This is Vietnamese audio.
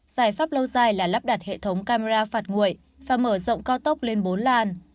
giải pháp lâu dài là lắp đặt hệ thống camera phạt nguội và mở rộng cao tốc lên bốn làn